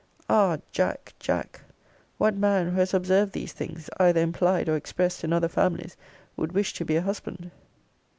Ah! Jack! Jack! What man, who has observed these things, either implied or expressed, in other families, would wish to be a husband!